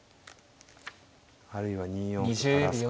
あるいは２四歩と垂らすか。